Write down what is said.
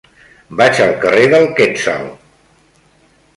Vaig al carrer del Quetzal.